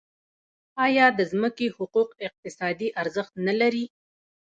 آیا د ځمکې حقوق اقتصادي ارزښت نلري؟